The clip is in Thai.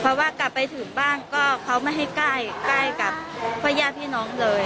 เพราะว่ากลับไปถึงบ้านก็เขาไม่ให้ใกล้ใกล้กับพ่อย่าพี่น้องเลย